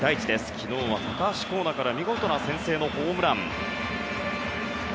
昨日は高橋光成から見事な先制のホームラン。